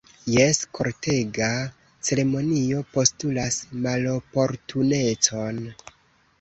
Jes, kortega ceremonio postulas maloportunecon!